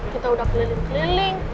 kita udah keliling keliling